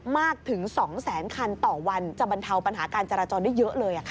มากถึง๒แสนคันต่อวันจะบรรเทาปัญหาการจราจรได้เยอะเลย